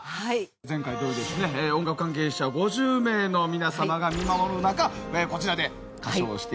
前回同様ですね音楽関係者５０名の皆様が見守る中こちらで歌唱をして頂きます。